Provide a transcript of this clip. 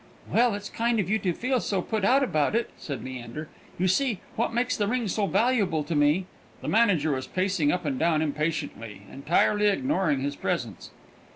"Well, it's kind of you to feel so put out about it," said Leander. "You see, what makes the ring so valuable to me " The manager was pacing up and down impatiently, entirely ignoring his presence.